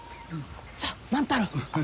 さあ万太郎。